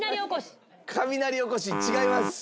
雷おこし違います。